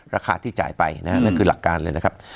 ราคาที่จ่ายไปนะฮะนั่นคือหลักการเลยนะครับ